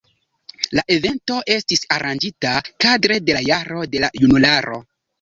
La evento estis aranĝita kadre de la Jaro de la Junularo.